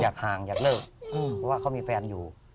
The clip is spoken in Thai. ห่างอยากเลิกเพราะว่าเขามีแฟนอยู่